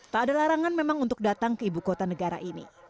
tak ada larangan memang untuk datang ke ibu kota negara ini